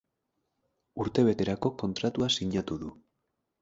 Urtebeterako kontratua sinatu du.